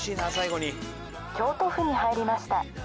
京都府に入りました。